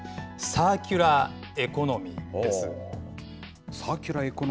サーキュラーエコノミー。